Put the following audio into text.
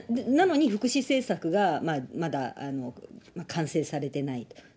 なのに福祉政策がまだ完成されてないと。